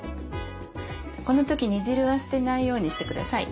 この時煮汁は捨てないようにしてください。